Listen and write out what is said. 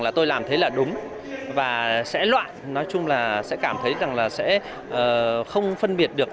lợi thương mại hóa